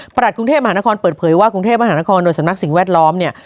กรุงเทพมหานครเปิดเผยว่ากรุงเทพมหานครโดยสำนักสิ่งแวดล้อมเนี่ย